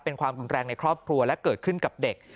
เป็นความรุนแรงในครอบครัวและเกิดขึ้นกับเด็ก